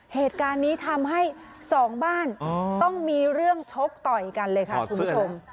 เหตุการณ์นี้ทำให้สองบ้านต้องมีเรื่องชกต่อยกันเลยค่ะคุณผู้ชม